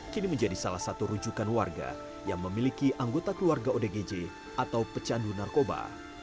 kini menjadi salah satu rujukan warga yang memiliki anggota keluarga odgj atau pecandu narkoba